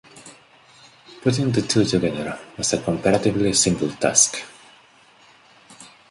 Putting the two together was a comparatively simple task.